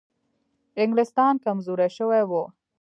انګلیسان کمزوري شوي وو.